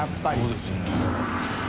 そうですね。